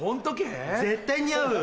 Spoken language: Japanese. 絶対似合う！